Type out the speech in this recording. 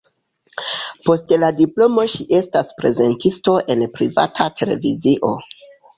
Post la diplomo ŝi estas prezentisto en privata televizio.